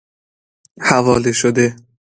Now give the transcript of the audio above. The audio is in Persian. حواله شده